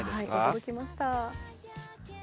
驚きました。